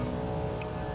oh terima kasih ya